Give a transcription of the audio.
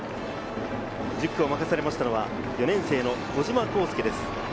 １０区を任されたのは４年生の小島光佑です。